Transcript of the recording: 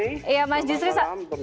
selamat malam pernisa